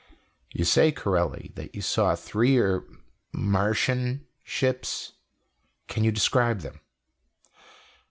"You say, Corelli, that you saw three er, Martian ships. Can you describe them?"